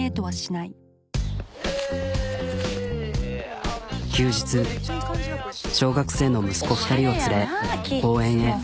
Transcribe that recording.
あぁ休日小学生の息子２人を連れ公園へ。